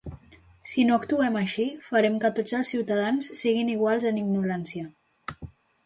Si no actuem així, farem que tots els ciutadans siguin iguals en ignorància.